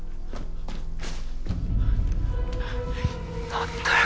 何だよ